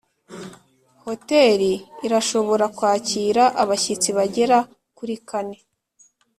hoteli irashobora kwakira abashyitsi bagera kuri kane